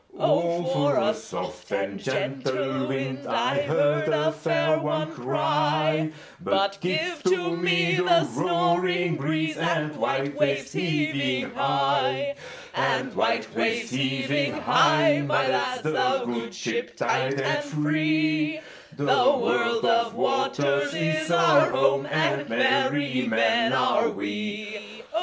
"O for a soft and gentle wind!"I heard a fair one cry:But give to me the snoring breezeAnd white waves heaving high; And white waves heaving high, my lads, The good ship tight and free—The world of waters is our home, And merry men are we.